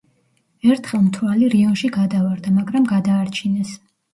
ერთხელ მთვრალი რიონში გადავარდა, მაგრამ გადაარჩინეს.